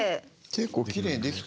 結構きれいにできた。